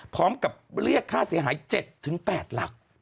พร้อมกับเรียกค่าเสียหาย๗๘หลัก